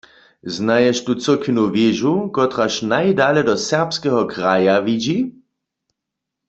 Znaješ tu cyrkwinu wěžu, kotraž najdale do serbskeho kraja widźi?